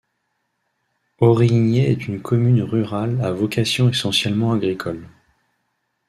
Origné est une commune rurale à vocation essentiellement agricole.